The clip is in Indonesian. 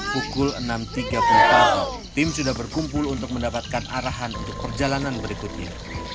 pukul enam tiga puluh pagi tim sudah berkumpul untuk mendapatkan arahan untuk perjalanan berikutnya